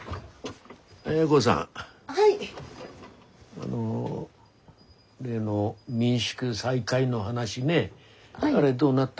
あの例の民宿再開の話ねあれどうなった？